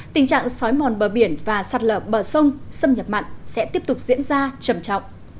tình trạng sói mòn bờ biển và sạt lở bờ sông xâm nhập mặn sẽ tiếp tục diễn ra trầm trọng